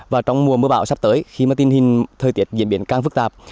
và trong mùa mưa bão sắp tới khi mà tình hình thời tiết diễn biến càng phức tạp